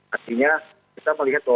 artinya kita melihat bahwa